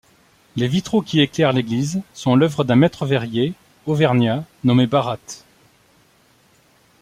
Les vitraux qui éclairent l'église sont l'œuvre d'un maître-verrier auvergnat nommé Baratte.